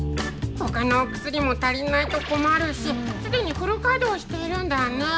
ほかのお薬も足りないと困るしすでにフル稼働しているんだね。